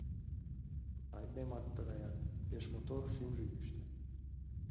Айдемат тыгаяк: пеш мотор — Шӱмжӧ йӱштӧ.